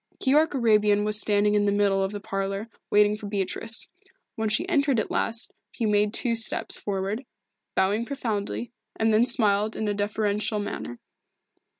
Keyork Arabian was standing in the middle of the parlour waiting for Beatrice. When she entered at last he made two steps forward, bowing profoundly, and then smiled in a deferential manner.